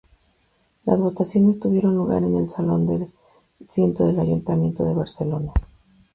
Las votaciones tuvieron lugar en el Salón de Ciento del Ayuntamiento de Barcelona.